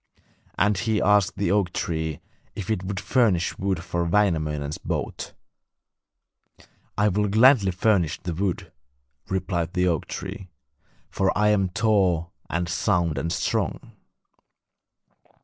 And he asked the oak tree if it would furnish wood for Wainamoinen's boat. 'I will gladly furnish the wood,' replied the oak tree, 'for I am tall and sound and strong.